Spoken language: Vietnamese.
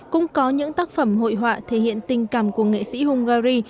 cũng có những tác phẩm hội họa thể hiện tình cảm của nghệ sĩ hungary